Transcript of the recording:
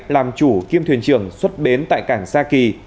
làm chủ kiêm thuyền trưởng xuất bến tại cảng sa kỳ